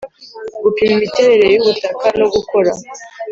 Gupima imiterere y ubutaka no gukora